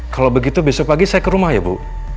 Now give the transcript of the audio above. kalau begitu besok pagi saya ke rumah ya bu